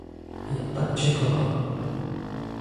"Ja tak cię kocham!"